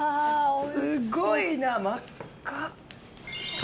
すごいな真っ赤。